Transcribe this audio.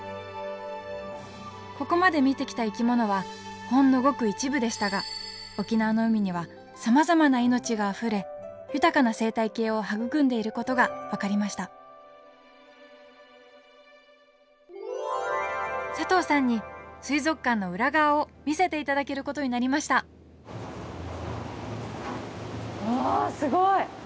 ここまで見てきた生き物はほんのごく一部でしたが沖縄の海にはさまざまな命があふれ豊かな生態系を育んでいることが分かりました佐藤さんに水族館の裏側を見せていただけることになりましたわすごい！